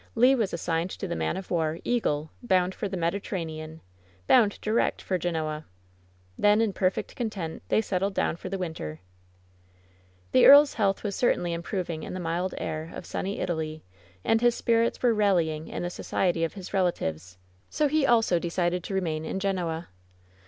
Le was assigned to the man of war Eagle, bound for the Mediterranean! Bound direct for Genoa I \, ^>N» V* 10 WHEN SHADOWS DIE Then, in perfect content, they settled down for the winter. The earl's health was certainly improving in the mild air of sunny Italy, and his spirits were rallying in the society of his relatives, so he also decided to remain in Genoa.